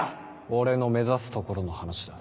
俺の目指すところの話だ。